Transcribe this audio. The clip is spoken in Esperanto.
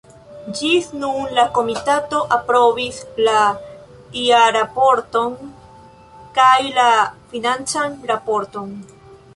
Ĝis nun la komitato aprobis la jarraporton kaj la financan raporton.